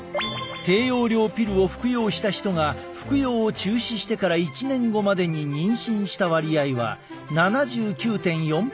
低用量ピルを服用した人が服用を中止してから１年後までに妊娠した割合は７９．４％だった。